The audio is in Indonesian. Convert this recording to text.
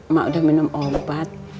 mak udah minum obat